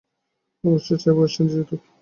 অবশ্যই চাইব West Indies জিতুক।